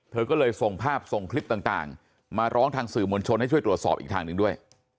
เธอก็เลยส่งภาพส่งคลิปต่างมาร้องทางสื่อมวลชนให้ช่วยตรวจสอบอีกทางหนึ่งด้วย